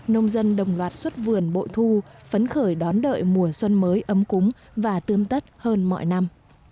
nông dân đồng loạt xuất vườn bội thu phấn khởi đón đợi mùa xuân mới ấm cúng và tươm tất hơn mọi năm